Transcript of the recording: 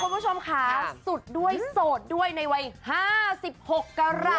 คุณผู้ชมค่ะสุดด้วยโสดด้วยในวัย๕๖กรา